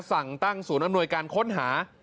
สั่งตั้งศูนย์อำนวยการค้นหา